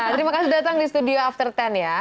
terima kasih datang di studio after sepuluh ya